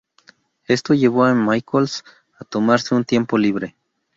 Esto llevó a Michaels a tomarse un tiempo libre.